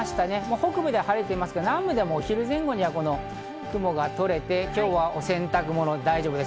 北部で晴れていますが、南部ではお昼前後に雲が取れて、今日はお洗濯物大丈夫です。